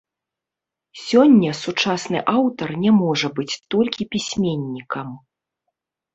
Сёння сучасны аўтар не можа быць толькі пісьменнікам.